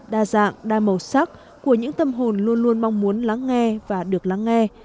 đa dạng đa màu sắc của những tâm hồn luôn luôn mong muốn lắng nghe và được lắng nghe